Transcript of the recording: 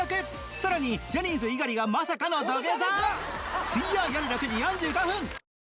さらにジャニーズ猪狩がまさかの土下座！？